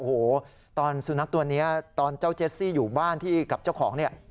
โอ้โหตอนสุนัขตัวนี้ตอนเจ้าเจสซี่อยู่บ้านที่กับเจ้าของเนี่ย